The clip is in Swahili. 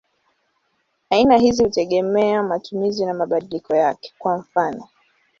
Aina hizi hutegemea matumizi na mabadiliko yake; kwa mfano.